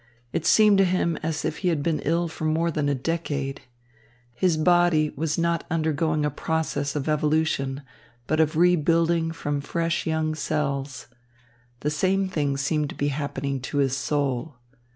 It seemed to him as if he had been ill for more than a decade. His body was not undergoing a process of evolution but of rebuilding from fresh young cells. The same thing seemed to be happening to his soul.